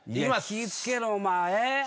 気ぃ付けろお前。